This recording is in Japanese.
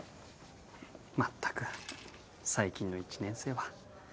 まったく最近の１年生は。